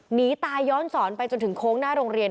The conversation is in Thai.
หนีตายย้อนสอนไปจนถึงโค้งหน้าโรงเรียน